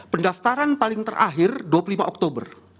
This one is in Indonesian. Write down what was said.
pendaftaran paling terakhir dua puluh lima oktober